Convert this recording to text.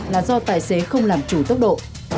là do tài xế không làm chủ tốc độ